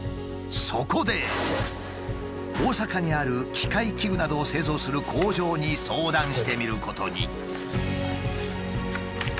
そこで大阪にある機械器具などを製造する工場に相談してみることに。